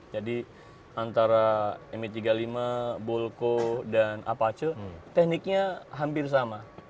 jadi antara mi tiga puluh lima volco dan apache tekniknya hampir sama